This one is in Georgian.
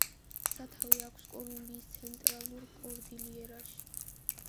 სათავე აქვს კოლუმბიის ცენტრალურ კორდილიერაში.